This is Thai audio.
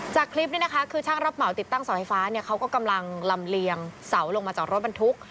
จากคลิปนี้นะคะคือช่างรับเหมาติดตั้งเสาไฟฟ้าเนี่ยเขาก็กำลังลำเลียงเสาลงมาจากรถบรรทุก